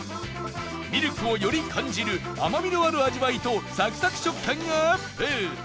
ミルクをより感じる甘みのある味わいとサクサク食感がアップ！